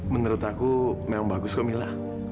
menurut aku memang bagus kok mila